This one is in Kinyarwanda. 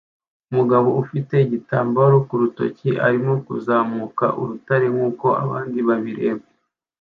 Umugabo ufite igitambaro ku rutoki arimo kuzamuka urutare nkuko abandi babireba